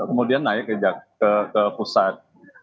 kemudian naik ke pusat